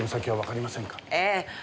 ええ。